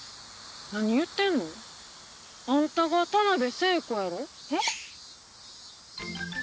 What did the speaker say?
何言うてんの？あんたが田辺聖子やろ？え？